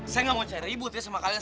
saya nggak mau cari ribut ya sama kalian